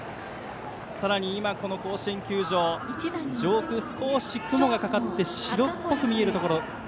さらに今、この甲子園球場上空、少し雲がかかって白っぽく見えるところ。